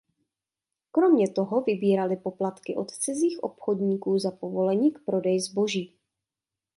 Kromě toho vybírali poplatky od cizích obchodníků za povolení k prodeji zboží.